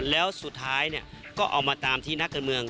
แล้วสุดท้ายก็เอามาตามที่นักการเมือง